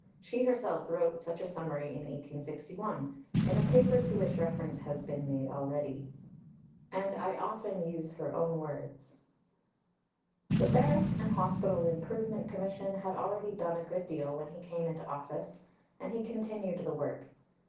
She herself wrote such a summary in 1861, in a Paper to which reference has been made already (p. 312), and I often use her own words. The Barracks and Hospitals Improvement Commission had already done a good deal when he came into office, and he continued the work.